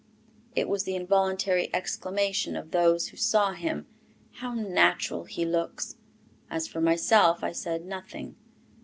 It was the involuntary exclamation of those who saw him, "How natural he looks!" As for myself, I said nothing.